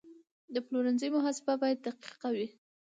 د پلورنځي محاسبه باید دقیقه وي.